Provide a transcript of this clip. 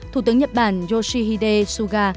thủ tướng nhật bản yoshihide suga